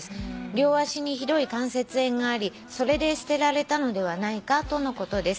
「両足にひどい関節炎がありそれで捨てられたのではないかとのことです」